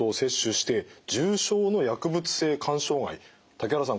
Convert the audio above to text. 竹原さん